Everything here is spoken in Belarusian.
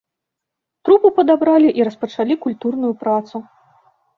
Трупу падабралі і распачалі культурную працу.